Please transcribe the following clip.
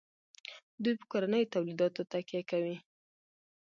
دوی په کورنیو تولیداتو تکیه کوي.